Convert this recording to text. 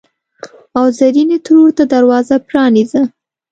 او زرینې ترور ته دروازه پرانیزه!